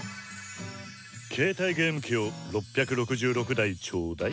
携帯ゲーム機を６６６台ちょうだい！